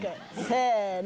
せの！